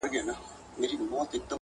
په بېلا بېلو ادارو کښي